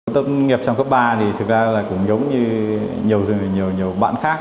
tâm nghiệp trong cấp ba thì thực ra là cũng giống như nhiều bạn khác